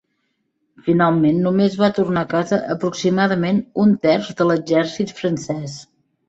Finalment només va tornar a casa aproximadament un terç de l'exèrcit francès.